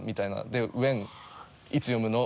でウェンいつ読むの？